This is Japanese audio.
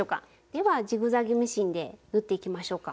ではジグザグミシンで縫っていきましょうか。